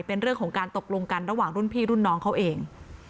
เป็นเรื่องของการตกลงกันระหว่างรุ่นพี่รุ่นน้องเขาเอง